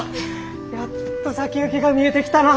やっと先行きが見えてきたな。